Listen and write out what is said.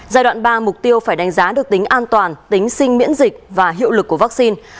giai đoạn ba mục tiêu phải đánh giá được tính an toàn tính sinh miễn dịch và hiệu lực của vaccine